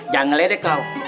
jangan lihat deh kau